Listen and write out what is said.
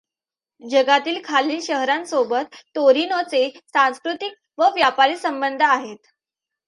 जगातील खालील शहरांसोबत तोरिनोचे सांस्कृतिक व व्यापारी संबंध आहेत.